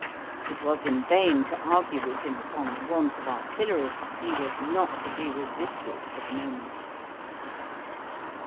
It was in vain to argue with him upon the want of artillery: he was not to be resisted for the moment.